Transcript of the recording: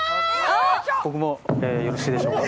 僕もよろしいでしょうか？